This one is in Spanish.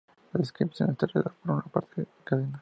La inscripción está rodeada por una cadena.